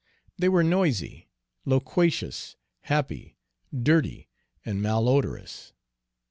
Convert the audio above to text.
They were noisy, loquacious, happy, dirty, and malodorous.